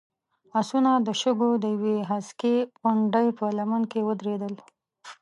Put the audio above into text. آسونه د شګو د يوې هسکې غونډۍ په لمنه کې ودرېدل.